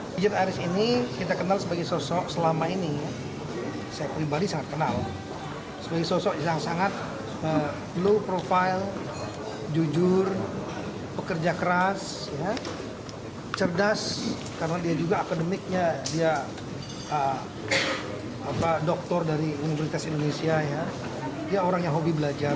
brikjen aris ini kita kenal sebagai sosok selama ini saya pribadi sangat kenal sebagai sosok yang sangat low profile jujur pekerja keras cerdas karena dia juga akademiknya dia dokter dari universitas indonesia dia orang yang hobi belajar